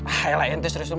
ayolah ente serius